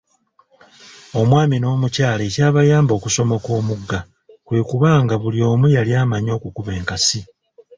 Omwami n’omukyala ekyabayamba okusomoka omugga kwe kuba nga buli omu yali amanyi okukuba enkasi.